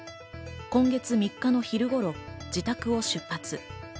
今月３日の昼頃、自宅を出発。